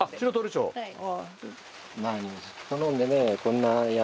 はい。